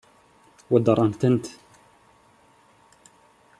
Weddṛent-tent?